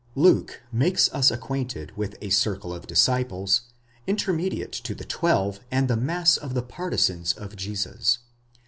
Luke makes us acquainted with a circle of disciples, intermediate to the twelve and the mass of the partisans of Jesus.